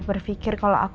tapi aku merasa takut